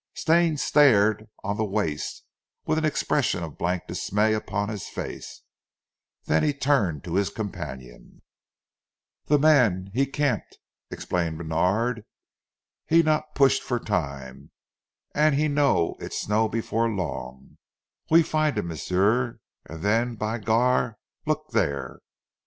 Stane stared on the waste, with an expression of blank dismay upon his face, then he turned to his companion. "Zee man, he camp," explained Bènard. "He not pushed for time, an' he know it snow b'fore long. We find heem, m'sieu, an' den By gar! Look dere!"